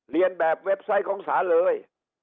เรียนแบบเว็บไซต์ของศาลเลย